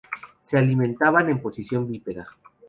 Se alimentaban en posición bípeda.